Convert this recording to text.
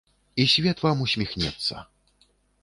І свет вам усміхнецца.